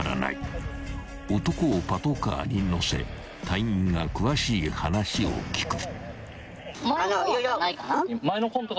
［男をパトカーに乗せ隊員が詳しい話を聞く］